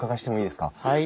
はい。